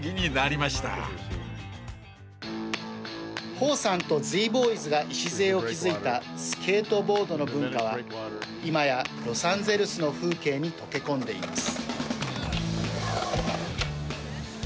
ホーさんとＺ−Ｂｏｙｓが礎を築いたスケートボードの文化は今やロサンゼルスの風景に溶け込んでいます。